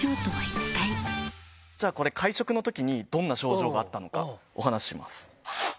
さあ、これ、会食のときにどんな症状があったのか、お話します。